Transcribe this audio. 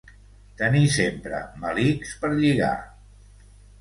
Tenir sempre melics per lligar.